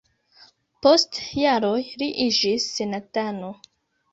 Post jaroj li iĝis senatano.